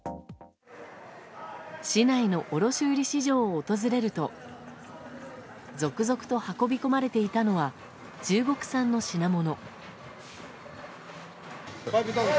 市内の卸売市場を訪れると続々と運び込まれていたのは中国産の品物。